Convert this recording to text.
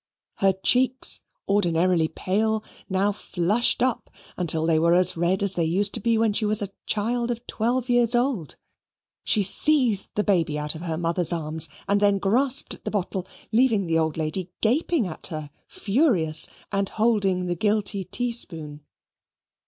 Her cheeks, ordinarily pale, now flushed up, until they were as red as they used to be when she was a child of twelve years old. She seized the baby out of her mother's arms and then grasped at the bottle, leaving the old lady gaping at her, furious, and holding the guilty tea spoon.